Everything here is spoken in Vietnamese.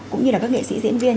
cũng như là các nghệ sĩ diễn viên